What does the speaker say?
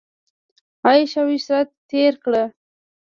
عیش او عشرت تېر کړ.